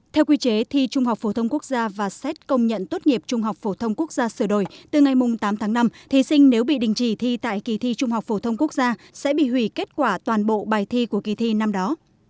theo quy chế thi trung học phổ thông quốc gia và xét công nhận tốt nghiệp trung học phổ thông quốc gia sửa đổi từ ngày tám tháng năm thí sinh nếu bị đình chỉ thi tại kỳ thi trung học phổ thông quốc gia sẽ bị hủy kết quả toàn bộ bài thi của kỳ thi năm đó